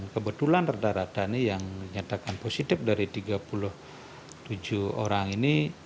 kebetulan rata rata ini yang dinyatakan positif dari tiga puluh tujuh orang ini